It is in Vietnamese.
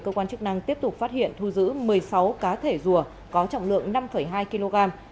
cơ quan chức năng tiếp tục phát hiện thu giữ một mươi sáu cá thể rùa có trọng lượng năm hai kg